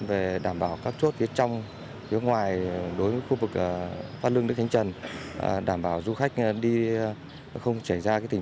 về đảm bảo các chốt kế trong các lực lượng biện pháp về đảm bảo các chốt kế trong